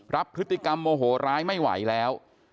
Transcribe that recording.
รับพฤติกรรมโมโหร้ายไม่ไหวแล้ว